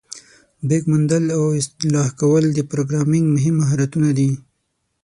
بګ موندل او اصلاح کول د پروګرامینګ مهم مهارتونه دي.